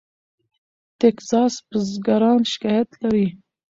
ټیکساس بزګران شکایت لري.